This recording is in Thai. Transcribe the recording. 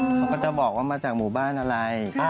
เขาก็จะบอกว่ามาจากหมู่บ้านอะไร